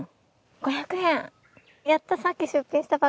５００円。